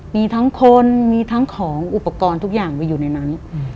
มีทั้งคนมีทั้งของอุปกรณ์ทุกอย่างไปอยู่ในนั้น